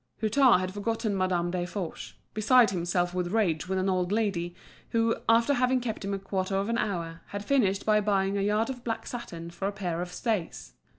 Hutin had forgotten Madame Desforges, beside himself with rage with an old lady, who, after having kept him a quarter of an hour, had finished by buying a yard of black satin for a pair of stays.